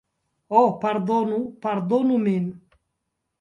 Ho, pardonu, pardonu min!